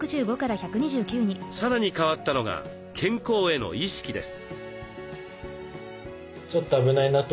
さらに変わったのが健康への意識です。